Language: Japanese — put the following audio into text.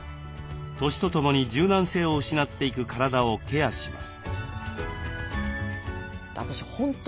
年とともに柔軟性を失っていく体をケアします。